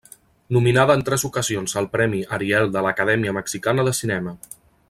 Nominada en tres ocasions al premi Ariel de l'acadèmia mexicana de cinema.